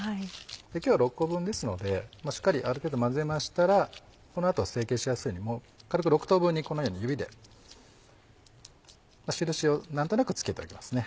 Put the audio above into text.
今日は６個分ですのでしっかりある程度混ぜましたらこの後は成形しやすいように軽く６等分にこのように指で印を何となく付けておきますね。